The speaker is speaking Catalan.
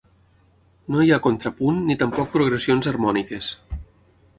No hi ha contrapunt ni tampoc progressions harmòniques.